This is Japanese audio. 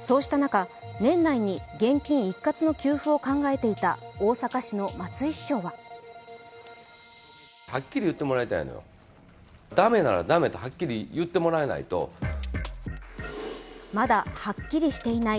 そうした中、年内に現金一括の給付を考えていた大阪市の松井市長はまだはっきりしていない